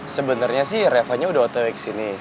sebenernya sih reva udah otot ototnya kesini